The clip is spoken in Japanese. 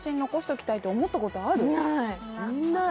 ない！